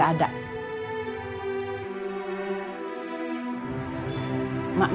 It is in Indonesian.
mak malas ketemu mereka